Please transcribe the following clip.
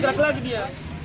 gak gerak lagi dia